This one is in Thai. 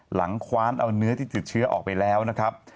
คว้านเอาเนื้อที่ติดเชื้อออกไปแล้วนะครับ